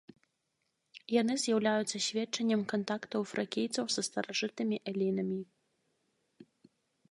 Яны з'яўляюцца сведчаннем кантактаў фракійцаў са старажытнымі элінамі.